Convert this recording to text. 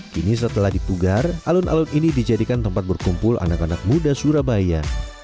kini setelah dipugar alun alun ini dijadikan tempat berkumpul anak anak muda surabaya